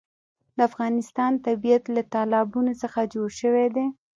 د افغانستان طبیعت له تالابونه څخه جوړ شوی دی.